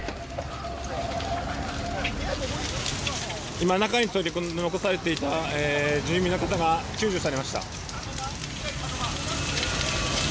今、中に取り残されていた住民の方が救助されました。